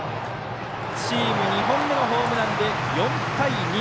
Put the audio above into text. チーム２本目のホームランで４対２。